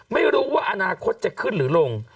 ไม่รู้ว่าอนาคตจะขึ้นหรือลง